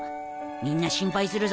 みんな心配するぞ。